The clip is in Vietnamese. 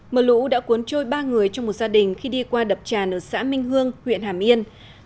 mưa lũ đã cuốn trôi ba người trong một gia đình khi đi qua đập tràn ở xã minh hương huyện hàm yên